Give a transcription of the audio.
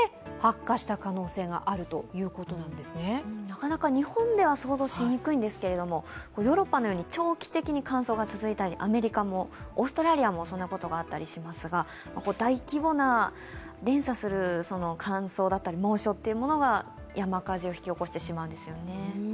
なかなか日本では想像しにくいんですけれども、ヨーロッパのように長期的に乾燥が続いたりアメリカも、オーストラリアもそんなことがあったりしますが大規模な連鎖する乾燥だったり猛暑というものが山火事を引き起こしてしまうんですよね。